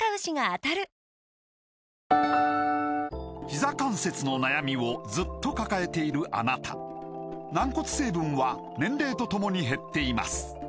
ひざ関節の悩みをずっと抱えているあなた軟骨成分は年齢とともに減っていますだから補うことが大切です